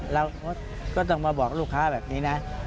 เราก็ต้องมาบอกลูกค้าแบบนี้นะ